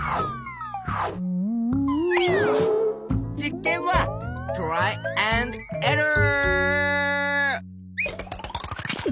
実験はトライアンドエラー！